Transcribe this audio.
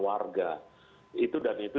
warga itu dan itu